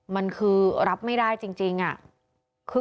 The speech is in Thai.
มันคือรับไม่ได้จริงอะ